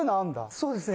そうですね。